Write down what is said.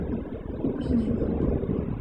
Миних.